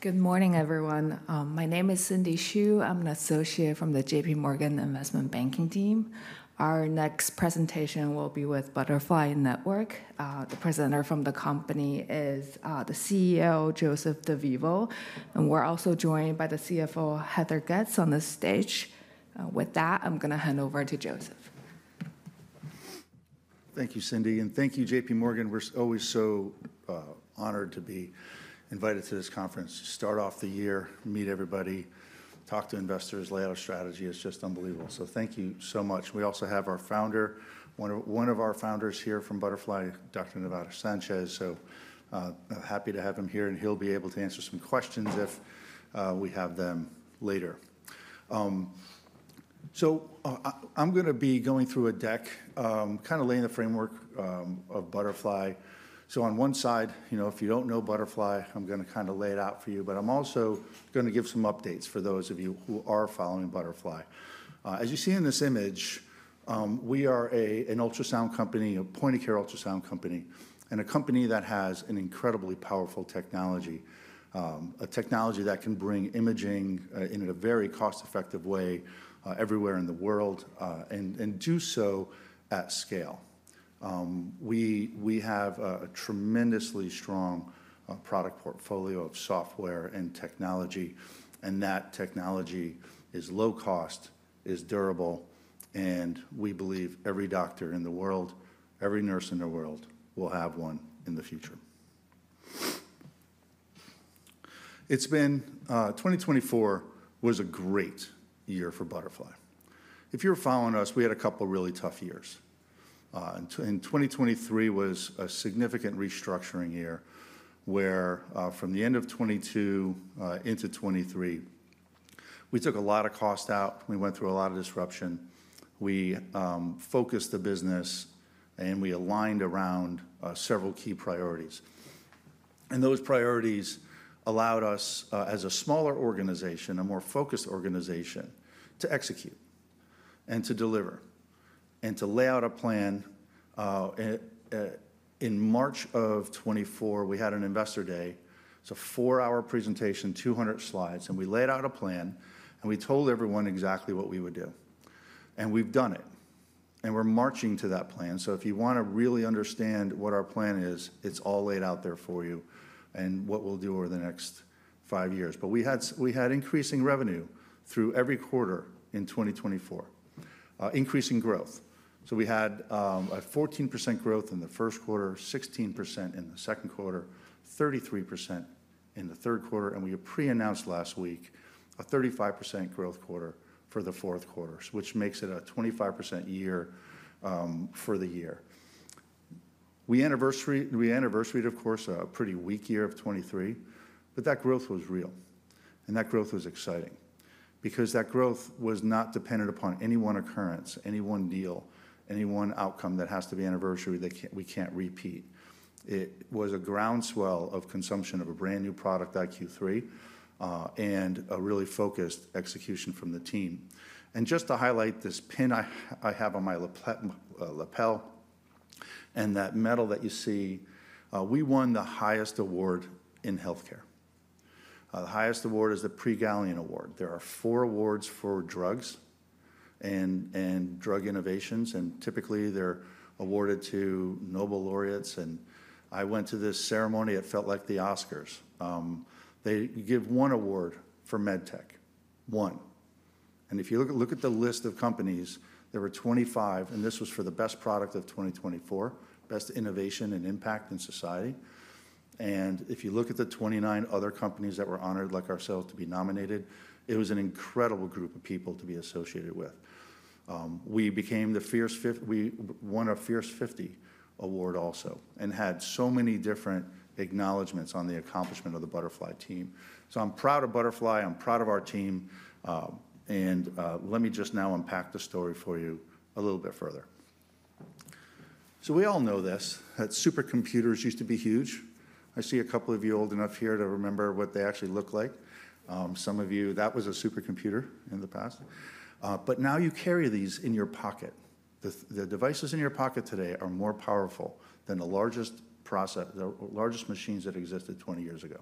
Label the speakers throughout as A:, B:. A: Good morning, everyone. My name is Cindy Shen. I'm an associate from the JPMorgan Investment Banking team. Our next presentation will be with Butterfly Network. The presenter from the company is the CEO, Joseph DeVivo, and we're also joined by the CFO, Heather Getz, on the stage. With that, I'm going to hand over to Joseph.
B: Thank you, Cindy, and thank you, JPMorgan. We're always so honored to be invited to this conference, to start off the year, meet everybody, talk to investors, lay out a strategy. It's just unbelievable. So thank you so much. We also have our founder, one of our founders here from Butterfly, Dr. Nevada Sanchez. So happy to have him here, and he'll be able to answer some questions if we have them later. So I'm going to be going through a deck, kind of laying the framework of Butterfly. So on one side, you know, if you don't know Butterfly, I'm going to kind of lay it out for you, but I'm also going to give some updates for those of you who are following Butterfly. As you see in this image, we are an ultrasound company, a point-of-care ultrasound company, and a company that has an incredibly powerful technology, a technology that can bring imaging in a very cost-effective way everywhere in the world and do so at scale. We have a tremendously strong product portfolio of software and technology, and that technology is low cost, is durable, and we believe every doctor in the world, every nurse in the world will have one in the future. 2024 was a great year for Butterfly. If you're following us, we had a couple of really tough years. 2023 was a significant restructuring year where, from the end of 2022 into 2023, we took a lot of cost out. We went through a lot of disruption. We focused the business, and we aligned around several key priorities. And those priorities allowed us, as a smaller organization, a more focused organization, to execute and to deliver and to lay out a plan. In March of 2024, we had an investor day. It's a four-hour presentation, 200 slides, and we laid out a plan, and we told everyone exactly what we would do. And we've done it, and we're marching to that plan. So if you want to really understand what our plan is, it's all laid out there for you and what we'll do over the next five years. But we had increasing revenue through every quarter in 2024, increasing growth. So we had a 14% growth in the first quarter, 16% in the second quarter, 33% in the third quarter, and we pre-announced last week a 35% growth quarter for the fourth quarter, which makes it a 25% year for the year. We anniversaried, of course, a pretty weak year of 2023, but that growth was real, and that growth was exciting because that growth was not dependent upon any one occurrence, any one deal, any one outcome that has to be anniversary that we can't repeat. It was a groundswell of consumption of a brand new product, iQ3, and a really focused execution from the team. And just to highlight this pin I have on my lapel and that medal that you see, we won the highest award in healthcare. The highest award is the Prix Galien Award. There are four awards for drugs and drug innovations, and typically they're awarded to Nobel laureates. And I went to this ceremony. It felt like the Oscars. They give one award for med tech, one. If you look at the list of companies, there were 25, and this was for the best product of 2024, best innovation and impact in society. If you look at the 29 other companies that were honored, like ourselves, to be nominated, it was an incredible group of people to be associated with. We became the one of Fierce 50 award also and had so many different acknowledgments on the accomplishment of the Butterfly team. I'm proud of Butterfly. I'm proud of our team. Let me just now unpack the story for you a little bit further. We all know this. Supercomputers used to be huge. I see a couple of you old enough here to remember what they actually looked like. Some of you, that was a supercomputer in the past. Now you carry these in your pocket. The devices in your pocket today are more powerful than the largest machines that existed 20 years ago.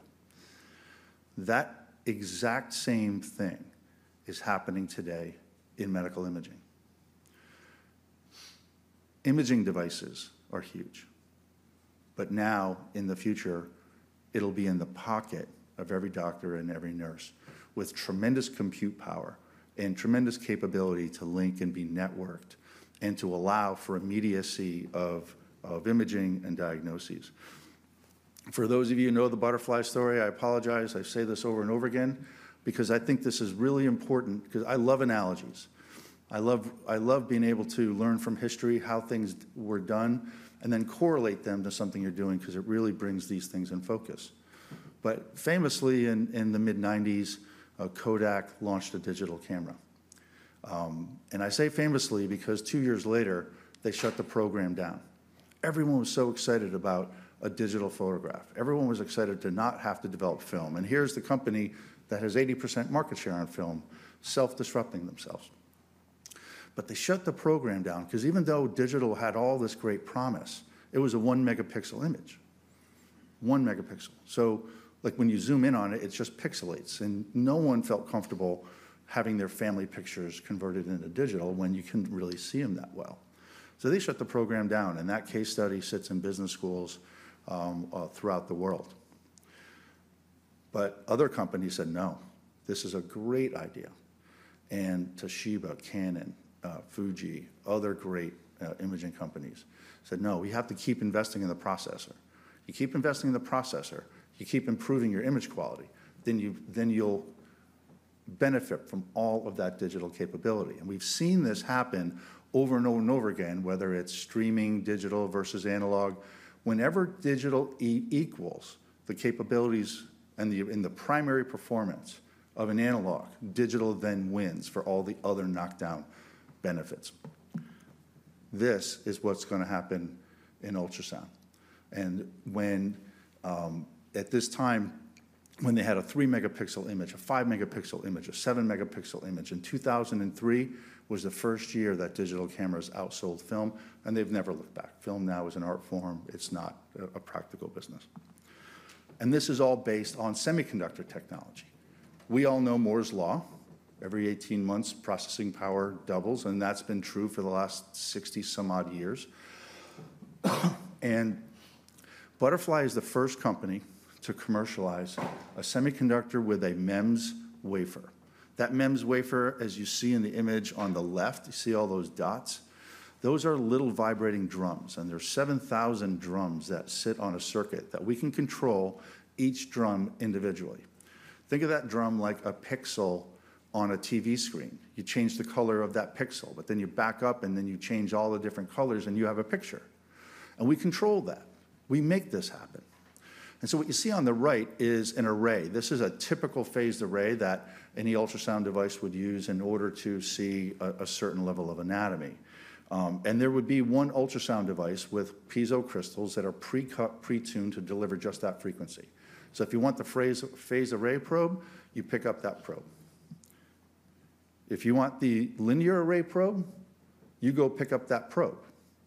B: That exact same thing is happening today in medical imaging. Imaging devices are huge, but now in the future, it'll be in the pocket of every doctor and every nurse with tremendous compute power and tremendous capability to link and be networked and to allow for immediacy of imaging and diagnoses. For those of you who know the Butterfly story, I apologize. I say this over and over again because I think this is really important because I love analogies. I love being able to learn from history how things were done and then correlate them to something you're doing because it really brings these things in focus. But famously, in the mid-1990s, Kodak launched a digital camera. And I say famously because two years later, they shut the program down. Everyone was so excited about a digital photograph. Everyone was excited to not have to develop film. And here's the company that has 80% market share on film, self-disrupting themselves. But they shut the program down because even though digital had all this great promise, it was a one-megapixel image, one megapixel. So when you zoom in on it, it just pixelates, and no one felt comfortable having their family pictures converted into digital when you couldn't really see them that well. So they shut the program down, and that case study sits in business schools throughout the world. But other companies said, "No, this is a great idea." And Toshiba, Canon, Fuji, other great imaging companies said, "No, we have to keep investing in the processor. You keep investing in the processor, you keep improving your image quality, then you'll benefit from all of that digital capability," and we've seen this happen over and over and over again, whether it's streaming digital versus analog. Whenever digital equals the capabilities and the primary performance of an analog, digital then wins for all the other knockdown benefits. This is what's going to happen in ultrasound, and at this time, when they had a three-megapixel image, a five-megapixel image, a seven-megapixel image, in 2003 was the first year that digital cameras outsold film, and they've never looked back. Film now is an art form. It's not a practical business, and this is all based on semiconductor technology. We all know Moore's Law. Every 18 months, processing power doubles, and that's been true for the last 60-some-odd years. And Butterfly is the first company to commercialize a semiconductor with a MEMS wafer. That MEMS wafer, as you see in the image on the left, you see all those dots. Those are little vibrating drums, and there are 7,000 drums that sit on a circuit that we can control each drum individually. Think of that drum like a pixel on a TV screen. You change the color of that pixel, but then you back up, and then you change all the different colors, and you have a picture. And we control that. We make this happen. And so what you see on the right is an array. This is a typical phased array that any ultrasound device would use in order to see a certain level of anatomy. And there would be one ultrasound device with piezo crystals that are pre-tuned to deliver just that frequency. So if you want the phased array probe, you pick up that probe. If you want the linear array probe, you go pick up that probe.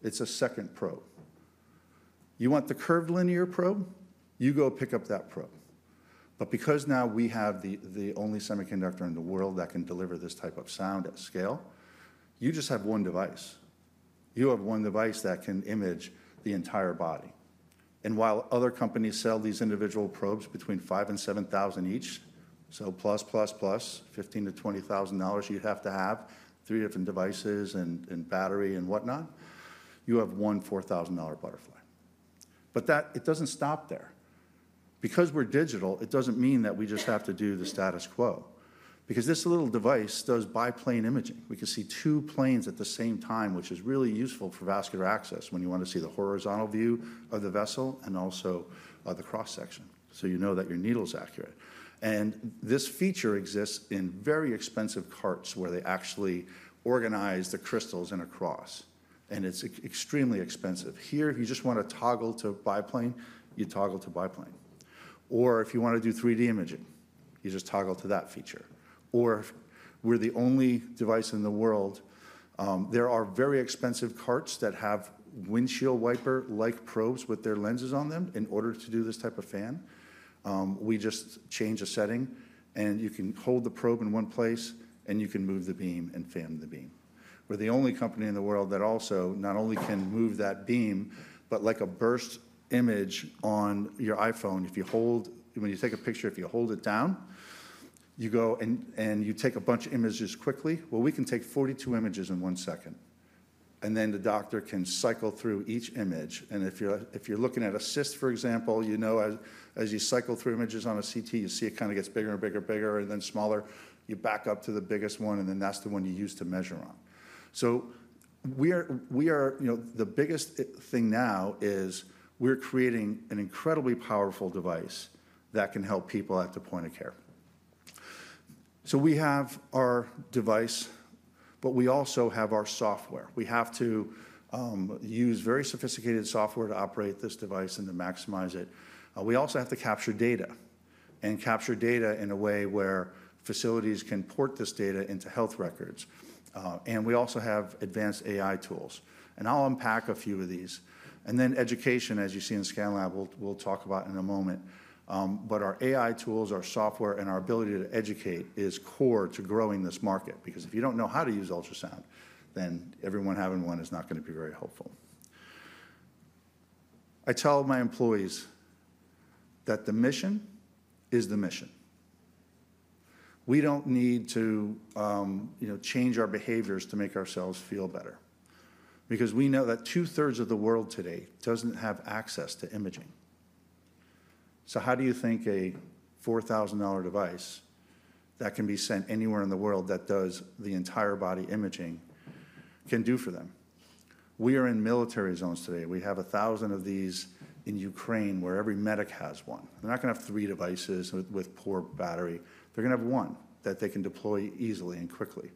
B: It's a second probe. You want the curvilinear probe, you go pick up that probe. But because now we have the only semiconductor in the world that can deliver this type of sound at scale, you just have one device. You have one device that can image the entire body. And while other companies sell these individual probes between $5,000-$7,000 each, so plus, plus, plus, $15,000 to $20,000 you'd have to have, three different devices and battery and whatnot, you have one $4,000 Butterfly. But it doesn't stop there. Because we're digital, it doesn't mean that we just have to do the status quo. Because this little device does biplane imaging. We can see two planes at the same time, which is really useful for vascular access when you want to see the horizontal view of the vessel and also the cross-section, so you know that your needle is accurate, and this feature exists in very expensive carts where they actually organize the crystals in a cross, and it's extremely expensive. Here, if you just want to toggle to biplane, you toggle to biplane, or if you want to do 3D imaging, you just toggle to that feature, or we're the only device in the world. There are very expensive carts that have windshield wiper-like probes with their lenses on them in order to do this type of fan. We just change a setting, and you can hold the probe in one place, and you can move the beam and fan the beam. We're the only company in the world that also not only can move that beam, but like a burst image on your iPhone, if you hold, when you take a picture, if you hold it down, you go and you take a bunch of images quickly. Well, we can take 42 images in one second, and then the doctor can cycle through each image. And if you're looking at a cyst, for example, you know as you cycle through images on a CT, you see it kind of gets bigger and bigger and bigger and then smaller. You back up to the biggest one, and then that's the one you use to measure on. So the biggest thing now is we're creating an incredibly powerful device that can help people at the point of care. So we have our device, but we also have our software. We have to use very sophisticated software to operate this device and to maximize it. We also have to capture data in a way where facilities can port this data into health records, and we also have advanced AI tools, and I'll unpack a few of these, and then education, as you see in ScanLab, we'll talk about in a moment, but our AI tools, our software, and our ability to educate is core to growing this market because if you don't know how to use ultrasound, then everyone having one is not going to be very helpful. I tell my employees that the mission is the mission. We don't need to change our behaviors to make ourselves feel better because we know that two-thirds of the world today doesn't have access to imaging. So how do you think a $4,000 device that can be sent anywhere in the world that does the entire body imaging can do for them? We are in military zones today. We have 1,000 of these in Ukraine where every medic has one. They're not going to have three devices with poor battery. They're going to have one that they can deploy easily and quickly.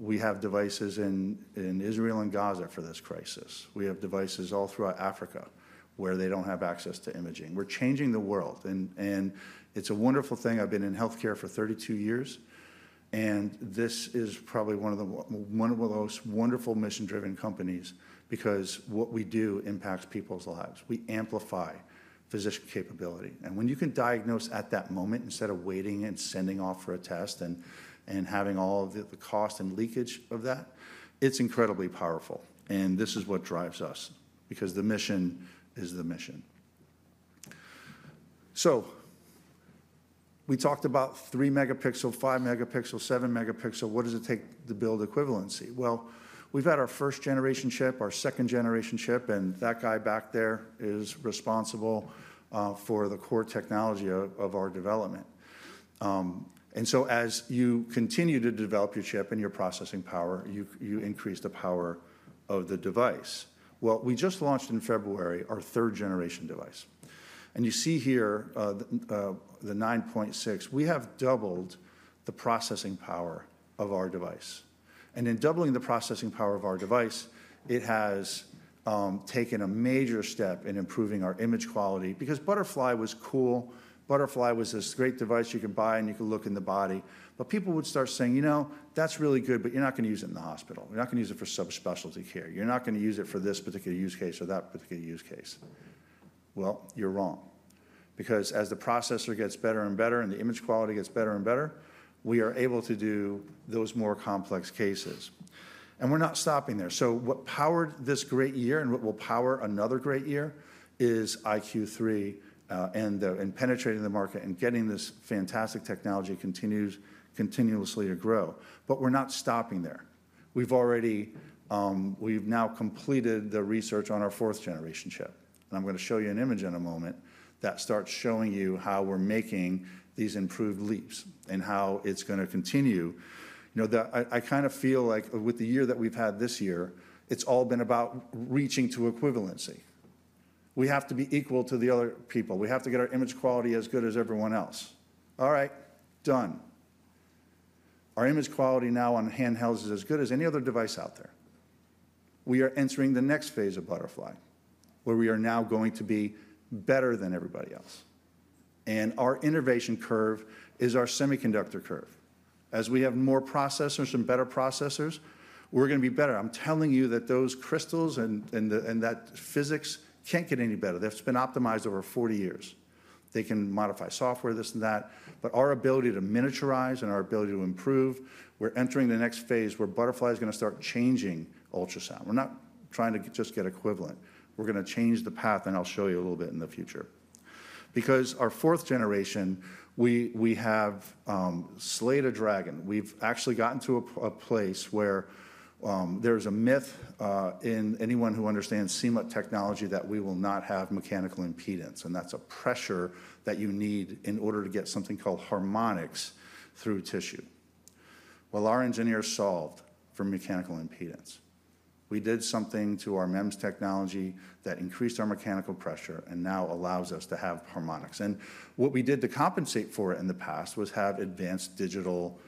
B: We have devices in Israel and Gaza for this crisis. We have devices all throughout Africa where they don't have access to imaging. We're changing the world, and it's a wonderful thing. I've been in healthcare for 32 years, and this is probably one of the most wonderful mission-driven companies because what we do impacts people's lives. We amplify physician capability. And when you can diagnose at that moment instead of waiting and sending off for a test and having all of the cost and leakage of that, it's incredibly powerful. And this is what drives us because the mission is the mission. So we talked about three-megapixel, five-megapixel, seven-megapixel. What does it take to build equivalency? Well, we've had our first-generation chip, our second-generation chip, and that guy back there is responsible for the core technology of our development. And so as you continue to develop your chip and your processing power, you increase the power of the device. Well, we just launched in February our third-generation device. And you see here the 9.6. We have doubled the processing power of our device. And in doubling the processing power of our device, it has taken a major step in improving our image quality because Butterfly was cool. Butterfly was this great device you could buy, and you could look in the body. But people would start saying, "You know, that's really good, but you're not going to use it in the hospital. You're not going to use it for subspecialty care. You're not going to use it for this particular use case or that particular use case." Well, you're wrong. Because as the processor gets better and better and the image quality gets better and better, we are able to do those more complex cases. And we're not stopping there. So what powered this great year and what will power another great year is iQ3 and penetrating the market and getting this fantastic technology continuously to grow. But we're not stopping there. We've now completed the research on our fourth-generation chip. I'm going to show you an image in a moment that starts showing you how we're making these improved leaps and how it's going to continue. I kind of feel like with the year that we've had this year, it's all been about reaching to equivalency. We have to be equal to the other people. We have to get our image quality as good as everyone else. All right, done. Our image quality now on handhelds is as good as any other device out there. We are entering the next phase of Butterfly where we are now going to be better than everybody else. And our innovation curve is our semiconductor curve. As we have more processors and better processors, we're going to be better. I'm telling you that those crystals and that physics can't get any better. They've been optimized over 40 years. They can modify software, this and that, but our ability to miniaturize and our ability to improve, we're entering the next phase where Butterfly is going to start changing ultrasound. We're not trying to just get equivalent. We're going to change the path, and I'll show you a little bit in the future. Because our fourth generation, we have slayed a dragon. We've actually gotten to a place where there's a myth in anyone who understands CMUT technology that we will not have mechanical impedance, and that's a pressure that you need in order to get something called harmonics through tissue, well, our engineers solved for mechanical impedance. We did something to our MEMS technology that increased our mechanical pressure and now allows us to have harmonics, and what we did to compensate for it in the past was have advanced digital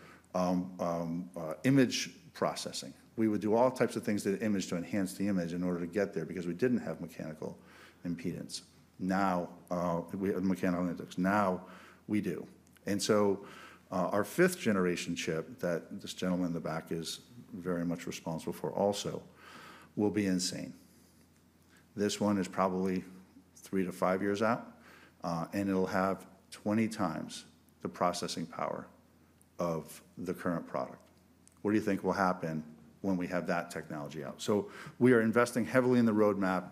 B: image processing. We would do all types of things to the image to enhance the image in order to get there because we didn't have mechanical impedance. Now we have mechanical impedance. Now we do. And so our fifth-generation chip that this gentleman in the back is very much responsible for also will be insane. This one is probably three to five years out, and it'll have 20 times the processing power of the current product. What do you think will happen when we have that technology out? So we are investing heavily in the roadmap,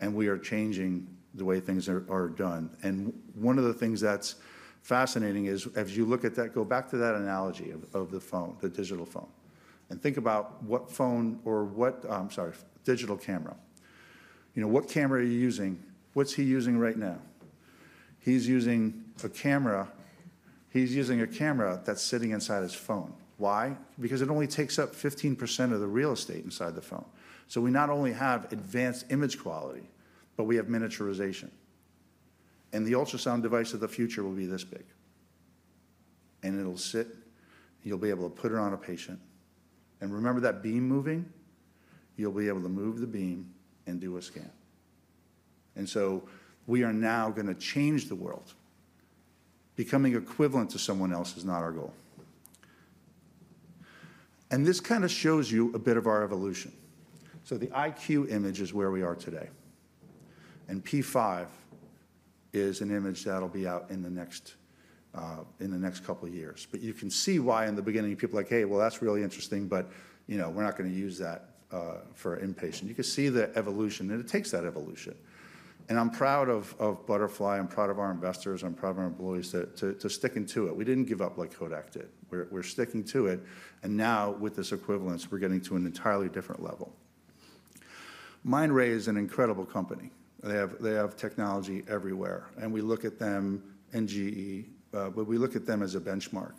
B: and we are changing the way things are done. And one of the things that's fascinating is, as you look at that, go back to that analogy of the phone, the digital phone, and think about what phone or what, I'm sorry, digital camera. What camera are you using? What's he using right now? He's using a camera that's sitting inside his phone. Why? Because it only takes up 15% of the real estate inside the phone. So we not only have advanced image quality, but we have miniaturization. And the ultrasound device of the future will be this big. And you'll be able to put it on a patient. And remember that beam moving? You'll be able to move the beam and do a scan. And so we are now going to change the world. Becoming equivalent to someone else is not our goal. And this kind of shows you a bit of our evolution. So the iQ image is where we are today. And P5 is an image that'll be out in the next couple of years. But you can see why in the beginning people are like, "Hey, well, that's really interesting, but we're not going to use that for an inpatient." You can see the evolution, and it takes that evolution. And I'm proud of Butterfly. I'm proud of our investors. I'm proud of our employees to sticking to it. We didn't give up like Kodak did. We're sticking to it. And now with this equivalence, we're getting to an entirely different level. Mindray is an incredible company. They have technology everywhere. And we look at them and GE, but we look at them as a benchmark.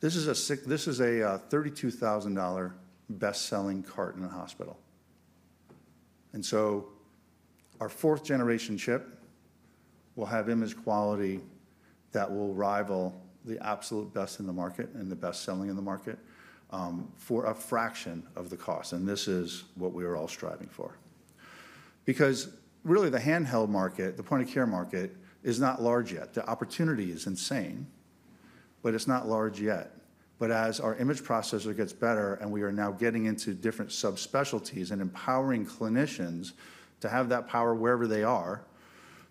B: This is a $32,000 best-selling cart in a hospital. And so our fourth-generation chip will have image quality that will rival the absolute best in the market and the best-selling in the market for a fraction of the cost. And this is what we are all striving for. Because really, the handheld market, the point-of-care market is not large yet. The opportunity is insane, but it's not large yet, but as our image processor gets better and we are now getting into different subspecialties and empowering clinicians to have that power wherever they are,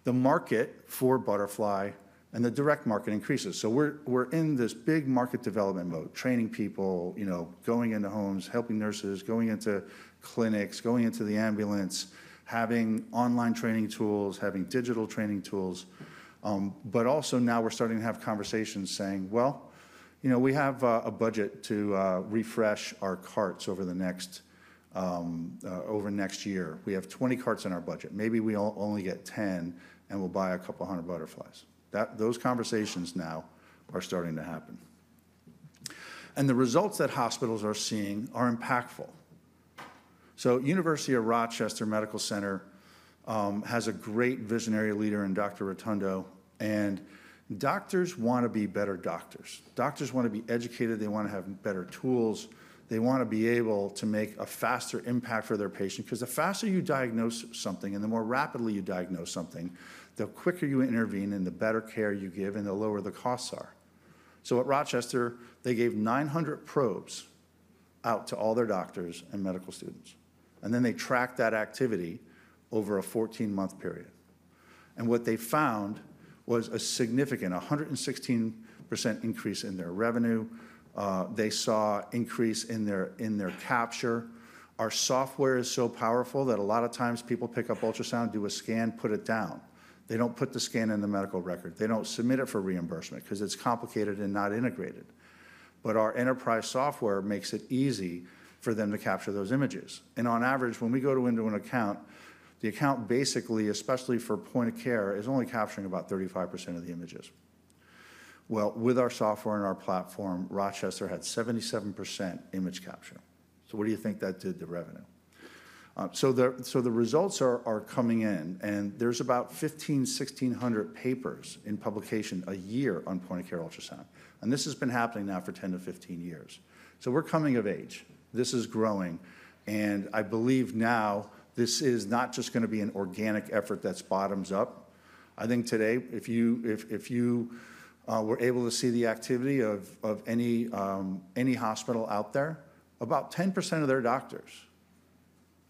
B: the market for Butterfly and the direct market increases, so we're in this big market development mode, training people, going into homes, helping nurses, going into clinics, going into the ambulance, having online training tools, having digital training tools, but also now we're starting to have conversations saying, "Well, we have a budget to refresh our carts over next year. We have 20 carts in our budget. Maybe we only get 10, and we'll buy a couple hundred Butterflies." Those conversations now are starting to happen, and the results that hospitals are seeing are impactful. University of Rochester Medical Center has a great visionary leader in Dr. Rotondo, and doctors want to be better doctors. Doctors want to be educated. They want to have better tools. They want to be able to make a faster impact for their patient because the faster you diagnose something and the more rapidly you diagnose something, the quicker you intervene and the better care you give and the lower the costs are. At Rochester, they gave 900 probes out to all their doctors and medical students. Then they tracked that activity over a 14-month period. What they found was a significant 116% increase in their revenue. They saw an increase in their capture. Our software is so powerful that a lot of times people pick up ultrasound, do a scan, put it down. They don't put the scan in the medical record. They don't submit it for reimbursement because it's complicated and not integrated. Our enterprise software makes it easy for them to capture those images. On average, when we go into an account, the account basically, especially for point of care, is only capturing about 35% of the images. With our software and our platform, Rochester had 77% image capture. What do you think that did to revenue? The results are coming in, and there's about 1,500-1,600 papers in publication a year on point of care ultrasound. This has been happening now for 10 to 15 years. We're coming of age. This is growing. I believe now this is not just going to be an organic effort that's bottoms up. I think today, if you were able to see the activity of any hospital out there, about 10% of their doctors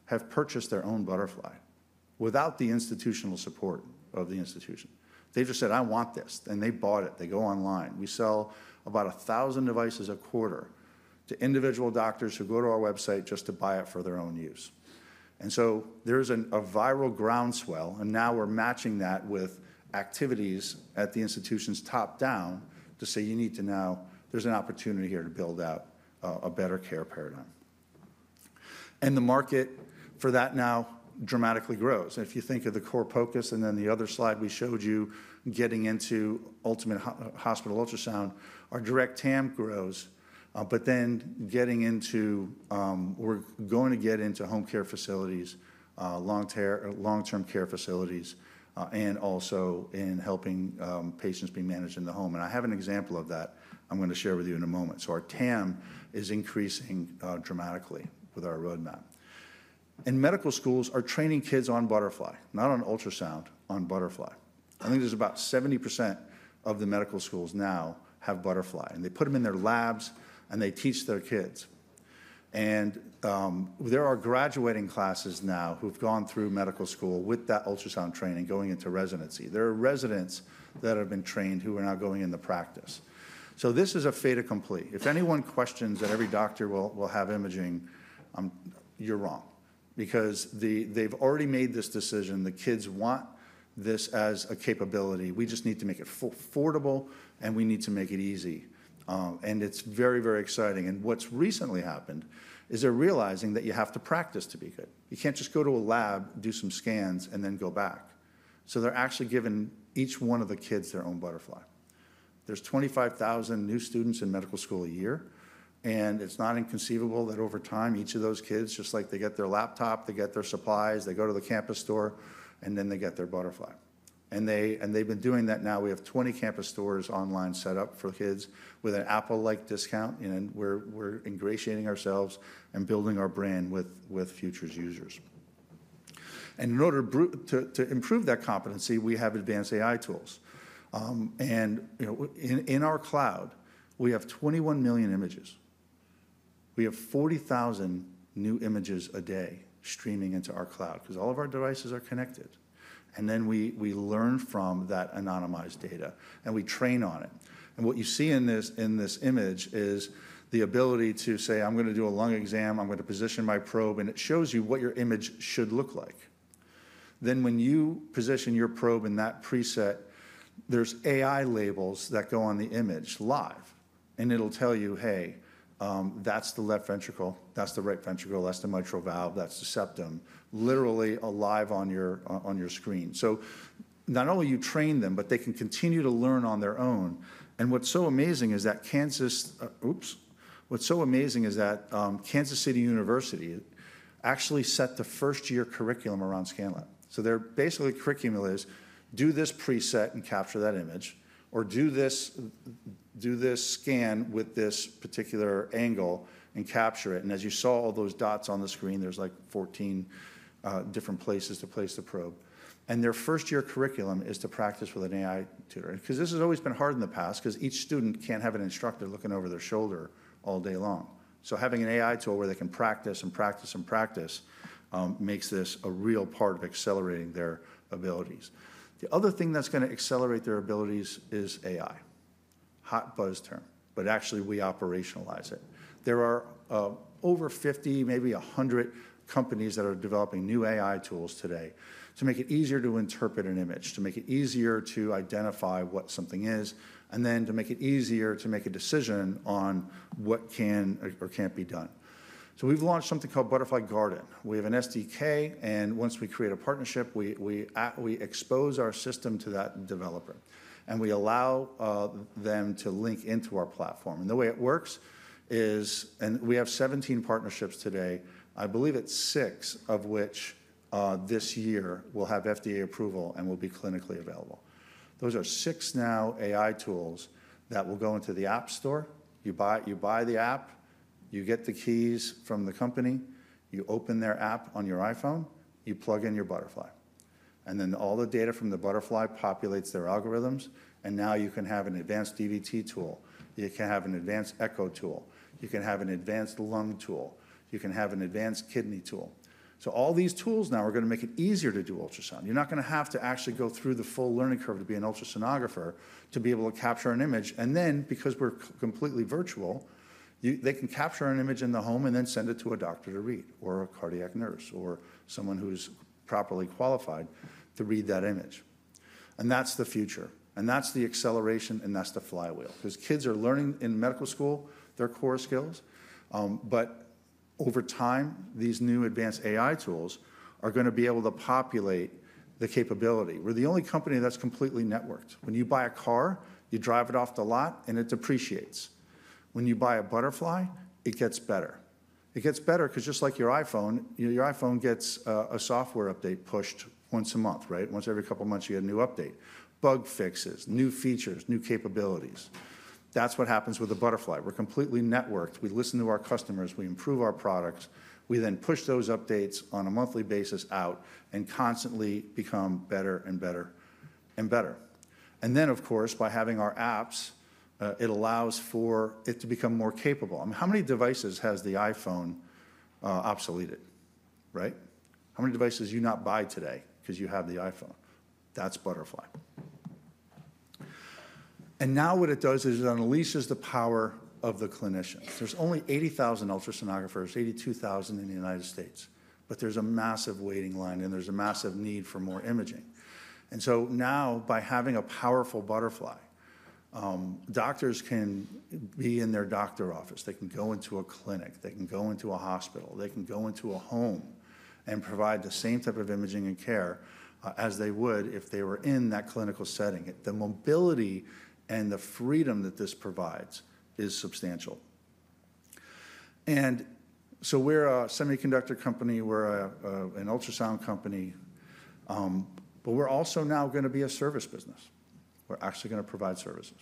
B: have purchased their own Butterfly without the institutional support of the institution. They just said, "I want this," and they bought it. They go online. We sell about 1,000 devices a quarter to individual doctors who go to our website just to buy it for their own use, and so there's a viral groundswell, and now we're matching that with activities at the institution's top down to say, "You need to now, there's an opportunity here to build out a better care paradigm," and the market for that now dramatically grows. And if you think of the core focus and then the other slide we showed you getting into ultimate hospital ultrasound, our direct TAM grows, but then getting into we're going to get into home care facilities, long-term care facilities, and also in helping patients be managed in the home. And I have an example of that I'm going to share with you in a moment. So our TAM is increasing dramatically with our roadmap. And medical schools are training kids on Butterfly, not on ultrasound, on Butterfly. I think there's about 70% of the medical schools now have Butterfly, and they put them in their labs, and they teach their kids. And there are graduating classes now who've gone through medical school with that ultrasound training going into residency. There are residents that have been trained who are now going into practice. So this is a fait accompli. If anyone questions that every doctor will have imaging, you're wrong. Because they've already made this decision. The kids want this as a capability. We just need to make it affordable, and we need to make it easy. And it's very, very exciting. And what's recently happened is they're realizing that you have to practice to be good. You can't just go to a lab, do some scans, and then go back. So they're actually giving each one of the kids their own Butterfly. There's 25,000 new students in medical school a year, and it's not inconceivable that over time, each of those kids, just like they get their laptop, they get their supplies, they go to the campus store, and then they get their Butterfly. And they've been doing that now. We have 20 campus stores online set up for kids with an Apple-like discount, and we're ingratiating ourselves and building our brand with future users. And in order to improve that competency, we have advanced AI tools. And in our cloud, we have 21 million images. We have 40,000 new images a day streaming into our cloud because all of our devices are connected. And then we learn from that anonymized data, and we train on it. And what you see in this image is the ability to say, "I'm going to do a lung exam. I'm going to position my probe," and it shows you what your image should look like. Then when you position your probe in that preset, there's AI labels that go on the image live, and it'll tell you, "Hey, that's the left ventricle. That's the right ventricle. That's the mitral valve. That's the septum," literally alive on your screen, so not only do you train them, but they can continue to learn on their own, and what's so amazing is that Kansas City University actually set the first-year curriculum around ScanLab, so their basic curriculum is, "Do this preset and capture that image," or, "Do this scan with this particular angle and capture it," and as you saw all those dots on the screen, there's like 14 different places to place the probe, and their first-year curriculum is to practice with an AI tutor. Because this has always been hard in the past because each student can't have an instructor looking over their shoulder all day long, so having an AI tool where they can practice and practice and practice makes this a real part of accelerating their abilities. The other thing that's going to accelerate their abilities is AI. Hot buzz term, but actually we operationalize it. There are over 50, maybe 100 companies that are developing new AI tools today to make it easier to interpret an image, to make it easier to identify what something is, and then to make it easier to make a decision on what can or can't be done. So we've launched something called Butterfly Garden. We have an SDK, and once we create a partnership, we expose our system to that developer, and we allow them to link into our platform. And the way it works is, and we have 17 partnerships today, I believe it's six of which this year will have FDA approval and will be clinically available. Those are six new AI tools that will go into the App Store. You buy the app, you get the keys from the company, you open their app on your iPhone, you plug in your Butterfly, and then all the data from the Butterfly populates their algorithms, and now you can have an advanced DVT tool. You can have an advanced echo tool. You can have an advanced lung tool. You can have an advanced kidney tool, so all these tools now are going to make it easier to do ultrasound. You're not going to have to actually go through the full learning curve to be an ultrasonographer to be able to capture an image, and then because we're completely virtual, they can capture an image in the home and then send it to a doctor to read or a cardiac nurse or someone who is properly qualified to read that image, and that's the future. And that's the acceleration, and that's the flywheel. Because kids are learning in medical school their core skills, but over time, these new advanced AI tools are going to be able to populate the capability. We're the only company that's completely networked. When you buy a car, you drive it off the lot, and it depreciates. When you buy a Butterfly, it gets better. It gets better because just like your iPhone, your iPhone gets a software update pushed once a month, right? Once every couple of months, you get a new update. Bug fixes, new features, new capabilities. That's what happens with the Butterfly. We're completely networked. We listen to our customers. We improve our products. We then push those updates on a monthly basis out and constantly become better and better and better. Then, of course, by having our apps, it allows for it to become more capable. I mean, how many devices has the iPhone obsoleted, right? How many devices do you not buy today because you have the iPhone? That's Butterfly. Now what it does is it unleashes the power of the clinician. There's only 80,000 ultrasonographers, 82,000 in the United States, but there's a massive waiting line, and there's a massive need for more imaging. So now, by having a powerful Butterfly, doctors can be in their doctor office. They can go into a clinic. They can go into a hospital. They can go into a home and provide the same type of imaging and care as they would if they were in that clinical setting. The mobility and the freedom that this provides is substantial. So we're a semiconductor company. We're an ultrasound company, but we're also now going to be a service business. We're actually going to provide services.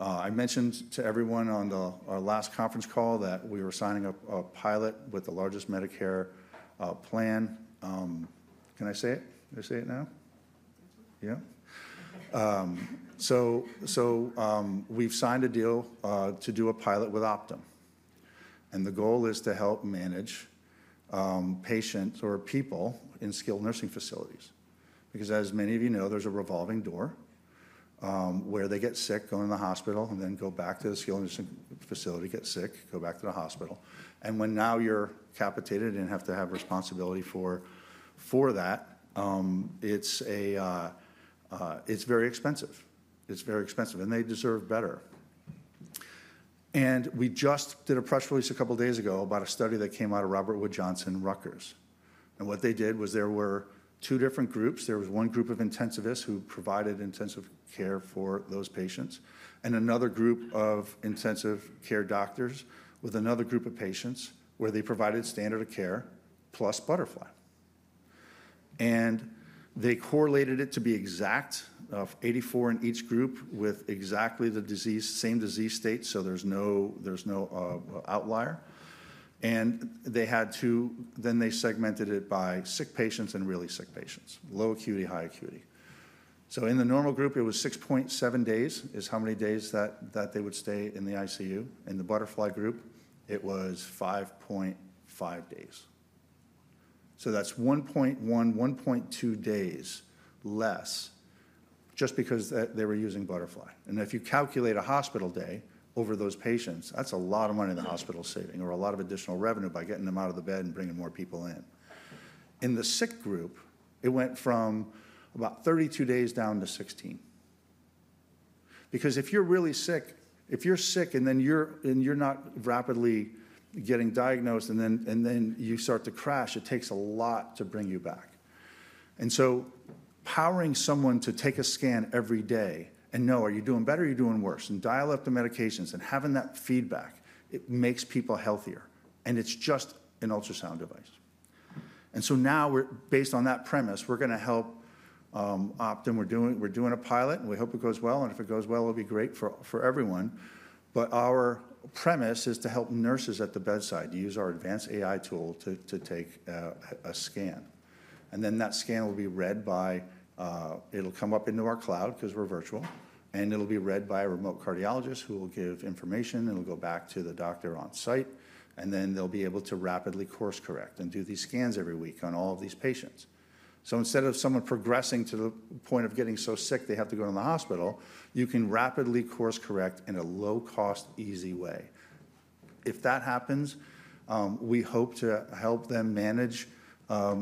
B: I mentioned to everyone on our last conference call that we were signing up a pilot with the largest Medicare plan. Can I say it? Can I say it now? Yeah? So we've signed a deal to do a pilot with Optum. And the goal is to help manage patients or people in skilled nursing facilities. Because as many of you know, there's a revolving door where they get sick, go into the hospital, and then go back to the skilled nursing facility, get sick, go back to the hospital. And when now you're capitated and have to have responsibility for that, it's very expensive. It's very expensive, and they deserve better. We just did a press release a couple of days ago about a study that came out of Rutgers Robert Wood Johnson. What they did was there were two different groups. There was one group of intensivists who provided intensive care for those patients, and another group of intensive care doctors with another group of patients where they provided standard of care plus Butterfly. They correlated it to be exact of 84 in each group with exactly the same disease state, so there's no outlier. And they had to then they segmented it by sick patients and really sick patients, low acuity, high acuity. In the normal group, it was 6.7 days is how many days that they would stay in the ICU. In the Butterfly group, it was 5.5 days. That's 1.1, 1.2 days less just because they were using Butterfly. And if you calculate a hospital day over those patients, that's a lot of money in the hospital saving or a lot of additional revenue by getting them out of the bed and bringing more people in. In the sick group, it went from about 32 days down to 16. Because if you're really sick, if you're sick and then you're not rapidly getting diagnosed and then you start to crash, it takes a lot to bring you back. And so powering someone to take a scan every day and know, "Are you doing better? Are you doing worse?" and dial up the medications and having that feedback, it makes people healthier. And it's just an ultrasound device. And so now, based on that premise, we're going to help Optum. We're doing a pilot, and we hope it goes well. And if it goes well, it'll be great for everyone. But our premise is to help nurses at the bedside use our advanced AI tool to take a scan. And then that scan will be read. It'll come up into our cloud because we're virtual, and it'll be read by a remote cardiologist who will give information. It'll go back to the doctor on site, and then they'll be able to rapidly course correct and do these scans every week on all of these patients. So instead of someone progressing to the point of getting so sick they have to go to the hospital, you can rapidly course correct in a low-cost, easy way. If that happens, we hope to help them manage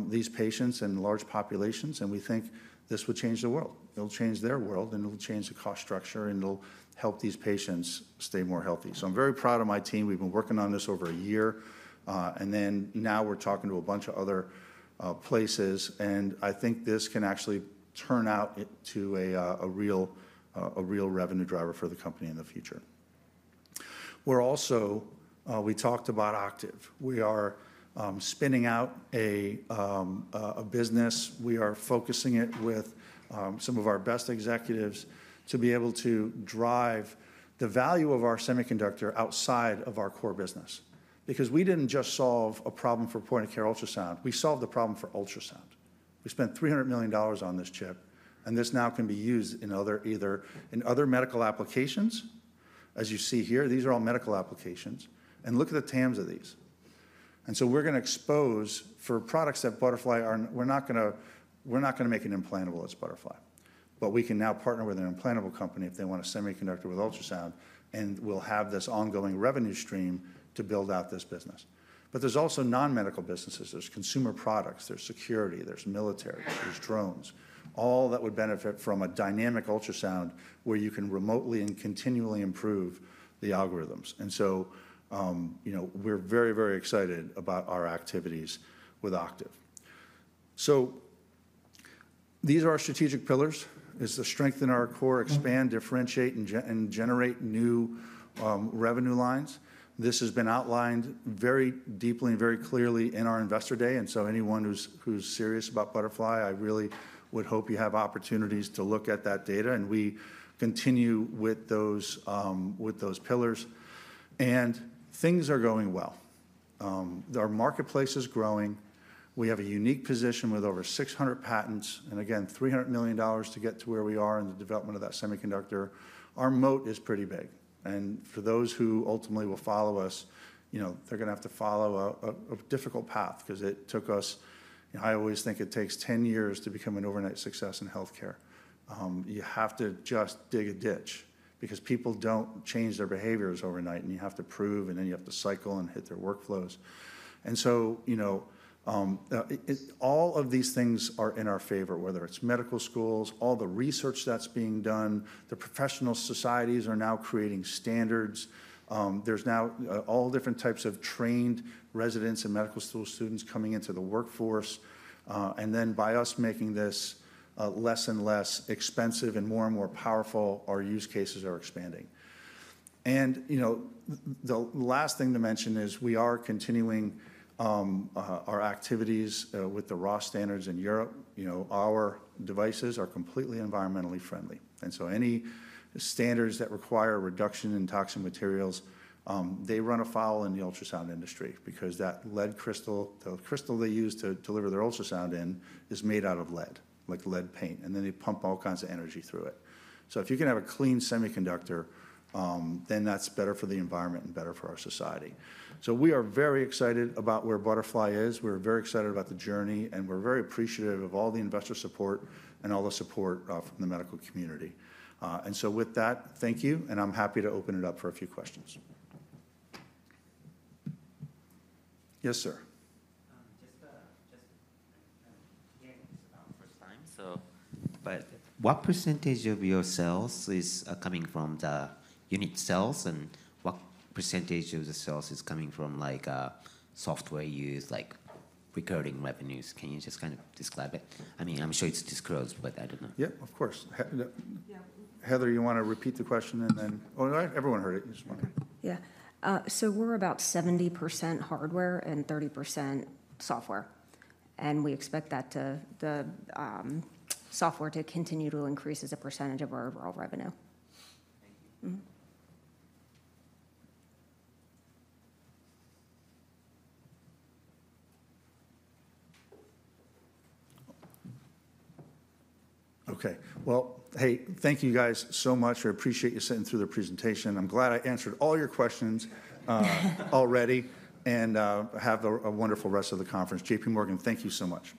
B: these patients and large populations, and we think this will change the world. It'll change their world, and it'll change the cost structure, and it'll help these patients stay more healthy. So I'm very proud of my team. We've been working on this over a year, and then now we're talking to a bunch of other places, and I think this can actually turn out to a real revenue driver for the company in the future. We talked about Octave. We are spinning out a business. We are focusing it with some of our best executives to be able to drive the value of our semiconductor outside of our core business. Because we didn't just solve a problem for point-of-care ultrasound. We solved the problem for ultrasound. We spent $300 million on this chip, and this now can be used in other medical applications, as you see here. These are all medical applications. And look at the TAMs of these. And so we're going to expose for products that Butterfly are we're not going to make an implantable. It's Butterfly. But we can now partner with an implantable company if they want a semiconductor with ultrasound, and we'll have this ongoing revenue stream to build out this business. But there's also non-medical businesses. There's consumer products. There's security. There's military. There's drones. All that would benefit from a dynamic ultrasound where you can remotely and continually improve the algorithms. And so we're very, very excited about our activities with Octave. So these are our strategic pillars. It's to strengthen our core, expand, differentiate, and generate new revenue lines. This has been outlined very deeply and very clearly in our investor day. And so anyone who's serious about Butterfly, I really would hope you have opportunities to look at that data, and we continue with those pillars. And things are going well. Our marketplace is growing. We have a unique position with over 600 patents and, again, $300 million to get to where we are in the development of that semiconductor. Our moat is pretty big. And for those who ultimately will follow us, they're going to have to follow a difficult path because it took us I always think it takes 10 years to become an overnight success in healthcare. You have to just dig a ditch because people don't change their behaviors overnight, and you have to prove, and then you have to cycle and hit their workflows. And so all of these things are in our favor, whether it's medical schools, all the research that's being done. The professional societies are now creating standards. There's now all different types of trained residents and medical school students coming into the workforce. And then by us making this less and less expensive and more and more powerful, our use cases are expanding. And the last thing to mention is we are continuing our activities with the RoHS standards in Europe. Our devices are completely environmentally friendly. And so any standards that require a reduction in toxin materials, they run afoul in the ultrasound industry because that lead crystal, the crystal they use to deliver their ultrasound in, is made out of lead, like lead paint, and then they pump all kinds of energy through it. So if you can have a clean semiconductor, then that's better for the environment and better for our society. So we are very excited about where Butterfly is. We're very excited about the journey, and we're very appreciative of all the investor support and all the support from the medical community. And so with that, thank you, and I'm happy to open it up for a few questions. Yes, sir. What percentage of your sales is coming from the unit sales and what percentage of the sales is coming from software use, like recording revenues? Can you just kind of describe it? I mean, I'm sure it's disclosed, but I don't know. Yeah, of course. Heather, you want to repeat the question and then everyone heard it. You just want to.
C: Yeah, so we're about 70% hardware and 30% software, and we expect the software to continue to increase as a percentage of our overall revenue.
B: Thank you. Okay. Well, hey, thank you guys so much. I appreciate you sending through the presentation. I'm glad I answered all your questions already and have a wonderful rest of the conference. JPMorgan, thank you so much.